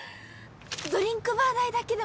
ドリンクバー代だけでも。